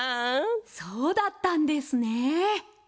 そうだったんですね！